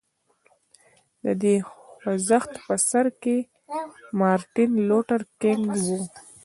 د دې خوځښت په سر کې مارټین لوټر کینګ و.